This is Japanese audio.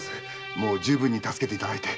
もう十分に助けていただいて。